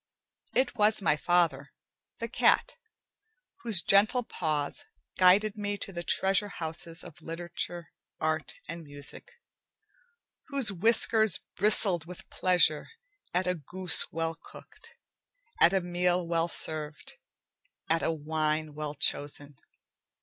It was my father, the cat, whose gentle paws guided me to the treasure houses of literature, art, and music, whose whiskers bristled with pleasure at a goose well cooked, at a meal well served, at a wine well chosen.